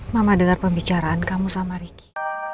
mama dengar pembicaraan kamu sama ricky